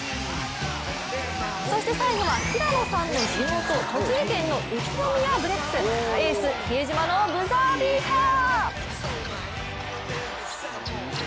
そして最後は平野さんの地元、栃木県の宇都宮ブレックスエース・比江島のブザービーター。